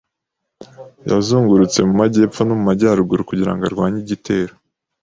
Yazungurutse mu majyepfo no mu majyaruguru kugirango arwanye igitero